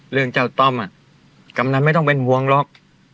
เรื่องเจ้าต้อมกำนันไม่ต้องเป็นห่วงหรอก